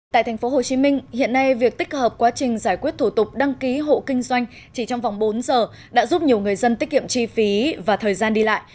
tại tp hcm hiện nay việc tích hợp quá trình giải quyết thủ tục đăng ký hộ kinh doanh chỉ trong vòng bốn giờ đã giúp nhiều người dân tiết kiệm chi phí và thời gian đi lại